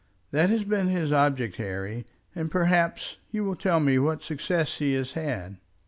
That has been his object, Harry, and perhaps you will tell me what success he has had."